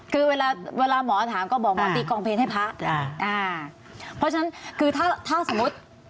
คือเวลาเวลาหมอถามก็บอกหมอตีกองเพลงให้พระอ่าอ่าเพราะฉะนั้นคือถ้าถ้าสมมุติ